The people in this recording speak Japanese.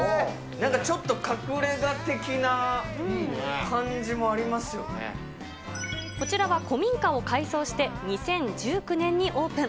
なんかちょっと、こちらは古民家を改装して、２０１９年にオープン。